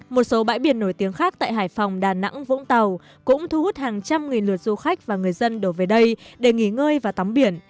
một số bãi biển nổi tiếng khác tại hải phòng đà nẵng vũng tàu cũng thu hút hàng trăm nghìn lượt du khách và người dân đổ về đây để nghỉ ngơi và tắm biển